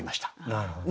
なるほど。